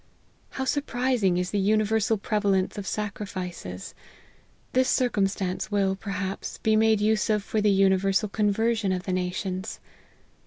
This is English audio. How surprising is the uni versal prevalence of sacrifices !. This circumstance will, perhaps, be made use of for the universal conversion of the nations.